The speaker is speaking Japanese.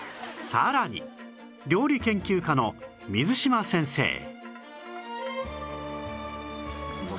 さらに料理研究家の水島先生